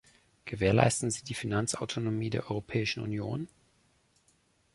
Gewährleisten sie die Finanzautonomie der Europäischen Union?